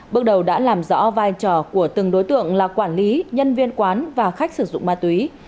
bước đầu đã làm rõ vai trò của từng đối tượng là quản lý nhân viên quán và khách sử dụng ma túy